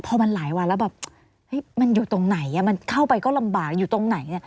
พอมันหลายวันแล้วแบบมันอยู่ตรงไหนมันเข้าไปก็ลำบากอยู่ตรงไหน